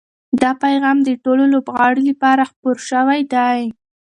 دا پیغام د ټولو لوبغاړو لپاره خپور شوی دی.